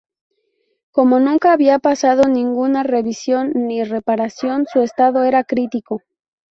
Como nunca había pasado ninguna revisión ni reparación su estado era crítico.